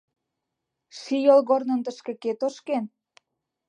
Ший йолгорным тышке кӧ тошкен?